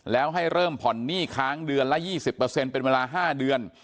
แล้วให้เริ่มผ่อนหนี้ค้างเดือนละ๒๐เป็นเวลา๕เดือน